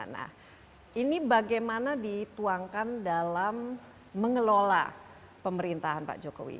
nah ini bagaimana dituangkan dalam mengelola pemerintahan pak jokowi